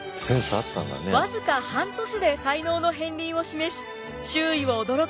僅か半年で才能の片りんを示し周囲を驚かせた一葉。